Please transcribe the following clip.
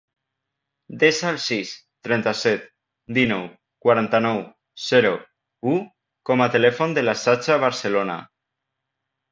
Desa el sis, trenta-set, dinou, quaranta-nou, zero, u com a telèfon de la Saja Barcelona.